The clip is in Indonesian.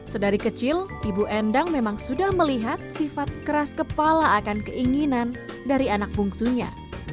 sedari kecil ibu endang memang sudah melihat sifat keras kepala akan keinginan dari anak bungsunya